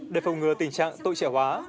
để phòng ngừa tình trạng tội trẻ hóa